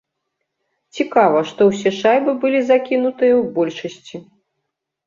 Цікава, што ўсе шайбы былі закінутыя ў большасці.